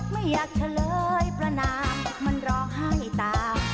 ไม่อยากเฉลยประนามมันร้องไห้ตา